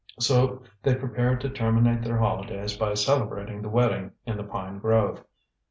So they prepared to terminate their holidays by celebrating the wedding in the pine grove.